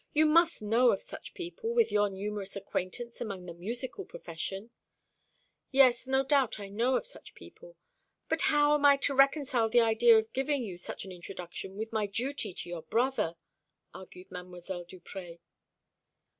You must know of such people, with your numerous acquaintance among the musical profession " "Yes, no doubt I know of such people. But how am I to reconcile the idea of giving you such an introduction with my duty to your brother?" argued Mdlle. Duprez.